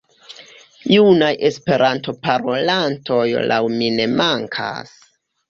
Junaj Esperanto-parolantoj laŭ mi ne mankas.